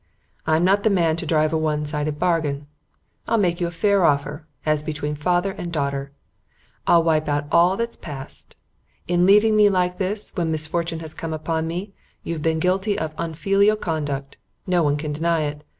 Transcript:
I'm not the man to drive a one sided bargain. I'll make you a fair offer as between father and daughter. I'll wipe out all that's past. In leaving me like this, when misfortune has come upon me, you've been guilty of unfilial conduct no one can deny it.